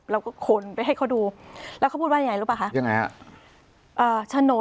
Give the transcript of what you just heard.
เราก็ขนไปให้เขาดูแล้วเขาพูดว่าอย่างไรรู้ปะคะยังไงอ่ะอ่า